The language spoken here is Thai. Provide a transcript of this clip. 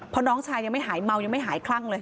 เพราะน้องชายยังไม่หายเมายังไม่หายคลั่งเลย